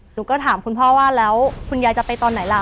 หนูก็ถามคุณพ่อว่าแล้วคุณยายจะไปตอนไหนล่ะ